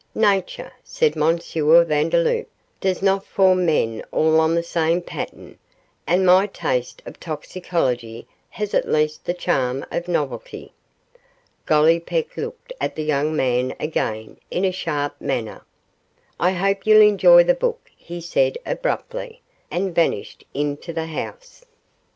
'Nature,' said M. Vandeloup, 'does not form men all on the same pattern, and my taste for toxicology has at least the charm of novelty.' Gollipeck looked at the young man again in a sharp manner. 'I hope you'll enjoy the book,' he said, abruptly, and vanished into the house.